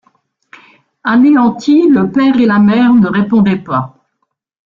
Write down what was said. Anéantis, le père et la mère ne répondaient pas.